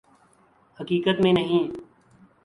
حقیقت میں نہیں